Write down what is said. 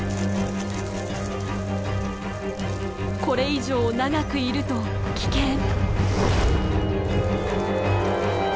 これ以上長くいると危険。